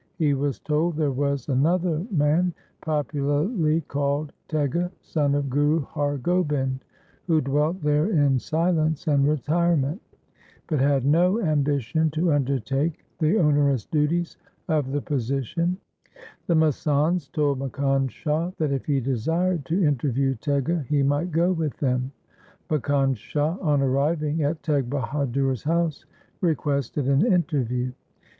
He was told there was another man popularly called Tega, son of Guru Har Gobind, who dwelt there in silence and retirement, but had no ambition to undertake the onerous duties of the position. The masands told Makkhan Shah that if he desired to interview Tega 1 Sukha Singh's Gur Bilas, Chap. I. LIFE OF GURU TEG BAHADUR 333 he might go with them. Makkhan Shah on arriving at Teg Bahadur's house requested an interview.